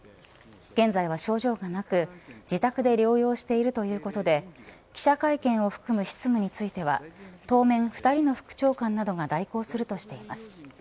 現在は症状がなく自宅で療養しているということで記者会見を含む執務については当面２人の副長官などが代行するとしています。